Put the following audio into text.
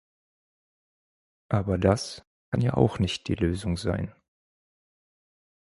Aber das kann ja auch nicht die Lösung sein.